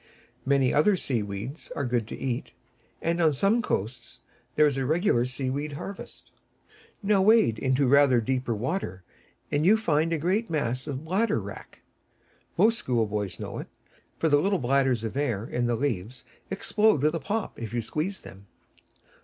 Many other sea weeds are good to eat, and on some coasts there is a regular sea weed harvest. Now wade into rather deeper water, and you find a great mass of the Bladder Wrack. Most schoolboys know it, for the little bladders of air in the leaves explode with a pop if you squeeze them.